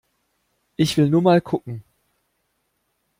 Ich will nur mal gucken!